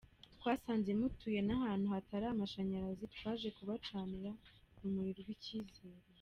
Twasanze mutuye n’ ahantu hatari amashanyarazi, twaje kubacanira urumuri rw’icyizere.